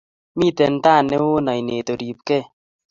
Mitenteta t newon ainet oripkee.